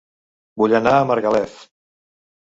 Vull anar a Margalef